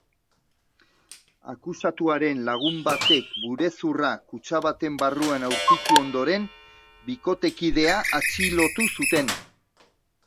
Akusatuaren lagun batek burezurra kutxa baten barruan aurkitu ondoren, bikotekidea atxilotu zuten.